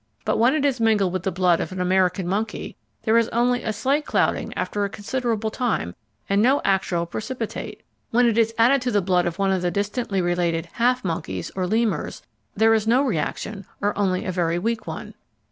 But when it is mingled with the blood of an American monkey there is only a slight clouding after a considerable time and no actual precipitate. When it is added to the blood of one of the distantly related "half monkeys" or lemurs there is no reaction or only a very weak one.